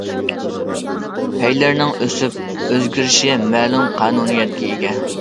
پەيلىرىنىڭ ئۆسۈپ ئۆزگىرىشى مەلۇم قانۇنىيەتكە ئىگە.